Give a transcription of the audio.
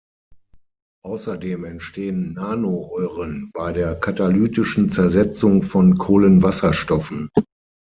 Außerdem entstehen Nanoröhren bei der katalytischen Zersetzung von Kohlenwasserstoffen.